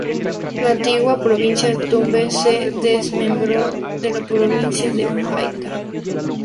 La antigua provincia de Tumbes se desmembró de la provincia de Paita.